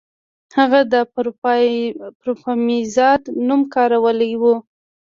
هغه د پاروپامیزاد نوم کارولی و